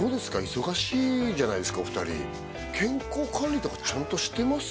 忙しいじゃないですかお二人健康管理とかちゃんとしてます？